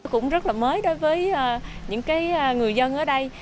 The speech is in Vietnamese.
cũng rất là mới đối với những người dân ở đây